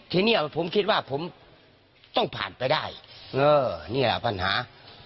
ทีนี้ผมคิดว่าผมต้องผ่านไปได้เออนี่แหละปัญหา